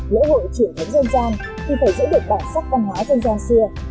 lễ hội chuyển thống dân gian thì phải giữ được bản sắc căn hóa dân gian xưa